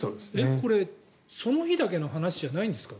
これ、その日だけの話じゃないんですか？